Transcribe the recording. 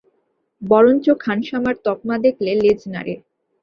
বরঞ্চ খানসামার তকমা দেখলে লেজ নাড়ে।